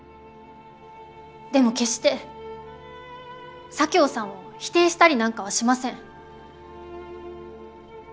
でも決して左京さんを否定したりなんかはしません。